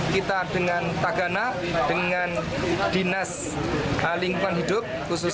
kita dengan tagana dengan dinas lingkungan hidup